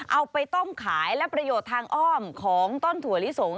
เอาไปต้มขายและประโยชน์ทางอ้อมของต้นถั่วลิสง